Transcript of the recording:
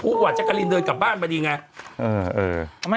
พูดว่าเจ็กกาลินเดินกลับบ้านมาดีไง